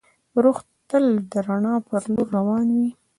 روح تل د رڼا په لور روان وي.